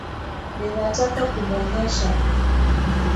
Ninataka kumwonyesha.